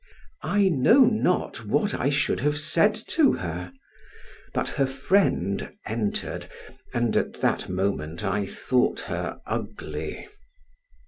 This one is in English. I know not what I should have said to her; but her friend entered, and at that moment I thought her ugly.